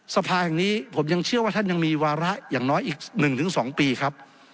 สภาแห่งนี้ผมยังเชื่อว่าท่านยังมีวาระอย่างน้อยอีก๑๒ปีครับ